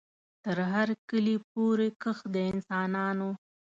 تر هر کلي پوري کښ د انسانانو